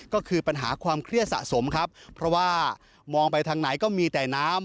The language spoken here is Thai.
ก็คือปัญหาความเครียดสะสมครับเพราะว่ามองไปทางไหนก็มีแต่น้ำ